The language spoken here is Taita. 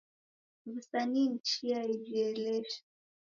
W'usanii ni chia yejielesha.